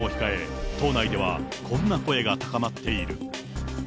しかし、秋の衆院選を控え、党内ではこんな声が高まっている。